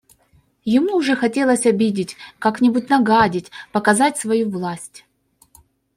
Ему уже хотелось обидеть, как-нибудь нагадить, показать свою власть.